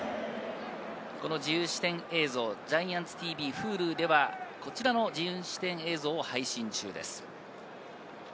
自由視点映像をＧＩＡＮＴＳＴＶ、Ｈｕｌｕでは、こちらの自由視点映像を配信中です。